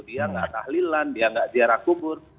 dia gak tahlilan dia gak ziarah kubur